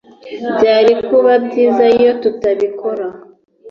Byari kuba byiza iyo tutabikora